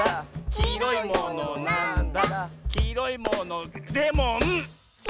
「きいろいものなんだ？」